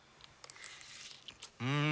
うん！